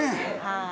はい。